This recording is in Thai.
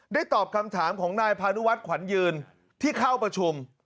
ตอบคำถามของนายพานุวัฒน์ขวัญยืนที่เข้าประชุม